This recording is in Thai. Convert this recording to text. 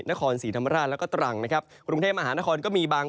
นครศรีธรรมราชแล้วก็ตรังนะครับกรุงเทพมหานครก็มีบาง